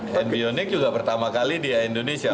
hand bionic juga pertama kali di indonesia